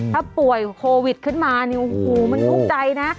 ถ้าป่วยโควิดขึ้นมาเนี่ยโอ้โหมันทุกข์ใจนะ